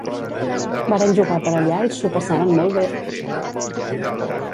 Varen jugar per allà i s'ho passaren molt bé!